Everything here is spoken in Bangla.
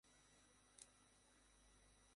তুমি ভালো মা হতে যাচ্ছ।